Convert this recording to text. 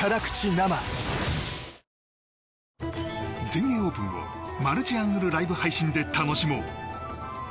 全英オープンをマルチアングルライブ配信で楽しもう！